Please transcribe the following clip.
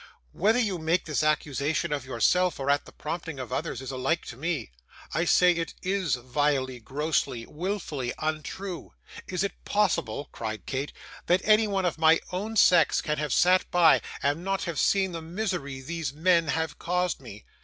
'Whether you make this accusation of yourself, or at the prompting of others, is alike to me. I say it IS vilely, grossly, wilfully untrue. Is it possible!' cried Kate, 'that anyone of my own sex can have sat by, and not have seen the misery these men have caused me?